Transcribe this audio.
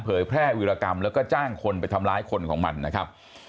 แพร่วิรกรรมแล้วก็จ้างคนไปทำร้ายคนของมันนะครับ